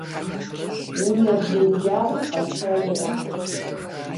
Унэ блынджабэм къэча иӏэт.